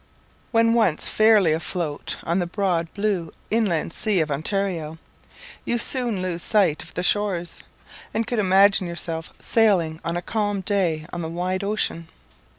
When once fairly afloat on the broad blue inland sea of Ontario, you soon lose sight of the shores, and could imagine yourself sailing on a calm day on the wide ocean.